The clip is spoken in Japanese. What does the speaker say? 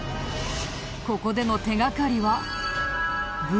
ここでの手掛かりは「ぶ」。